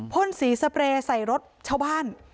พ่นสีสเปรย์ใส่รถชาวบ้าน